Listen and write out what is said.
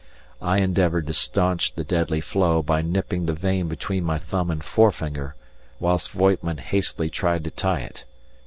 I endeavoured to staunch the deadly flow by nipping the vein between my thumb and forefinger, whilst Voigtman hastily tried to tie it.